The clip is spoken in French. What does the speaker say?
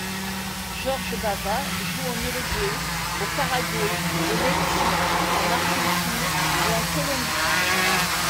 Jorge Bava joue en Uruguay, au Paraguay, au Mexique, en Argentine, et en Colombie.